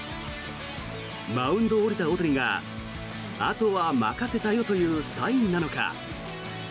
マウンドを降りた大谷があとは任せたよというサインなのか。